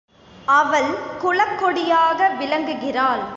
அவள் குலக் கொடியாக விளங்குகிறாள்.